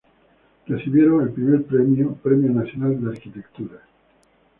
Recibieron el Primer Premio: Premio Nacional de Arquitectura.